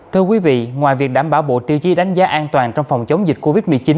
thưa quý vị ngoài việc đảm bảo bộ tiêu chí đánh giá an toàn trong phòng chống dịch covid một mươi chín